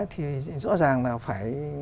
thì rõ ràng là phải